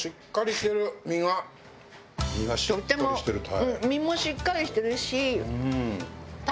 身がしっかりしてる鯛。